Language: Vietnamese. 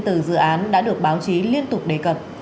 từ dự án đã được báo chí liên tục đề cập